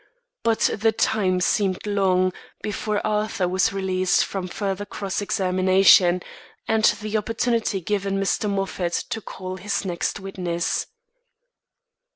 But the time seemed long before Arthur was released from further cross examination, and the opportunity given Mr. Moffat to call his next witness.